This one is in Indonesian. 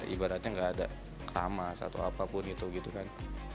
ibaratnya nggak ada kamas atau apapun gitu kan